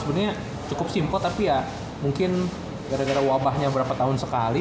sebenarnya cukup simpel tapi ya mungkin gara gara wabahnya berapa tahun sekali